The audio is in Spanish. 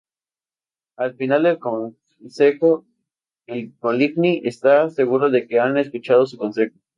Al final del Concejo, de Coligny está seguro de que han escuchado su consejo.